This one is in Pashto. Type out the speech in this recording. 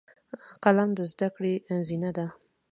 قلم د زده کړې زینه ده